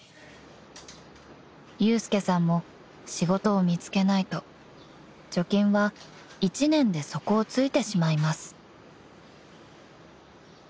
［祐介さんも仕事を見つけないと貯金は１年で底を突いてしまいます］